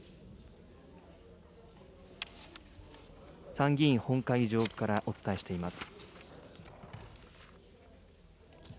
参議院本会議場からお伝えしています。